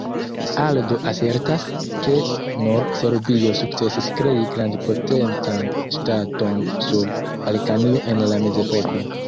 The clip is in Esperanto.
Aldo asertas, ke nur Serbio sukcesis krei grandpotencan ŝtaton sur Balkanio en la mezepoko.